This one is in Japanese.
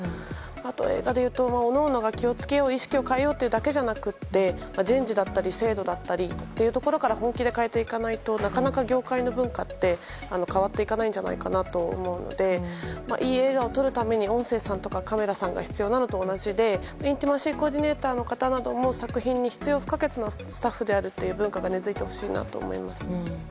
あと、映画でいうと各々が気を付けよう意識を変えようというだけじゃなく人事だったり制度だったりというところから本気で変えていかないとなかなか業界の文化って変わっていかないんじゃないかと思うのでいい映画を撮るために音声さんとか、カメラさんが必要なのと同じでインティマシー・コーディネーターの方なども作品に必要不可欠な文化であるという認識が根付いてほしいなと思います。